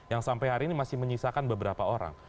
yang sampai hari ini masih menyisakan beberapa orang